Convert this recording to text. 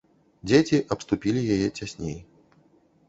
Дзеці абступілі яе цясней.